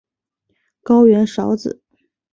高原苕子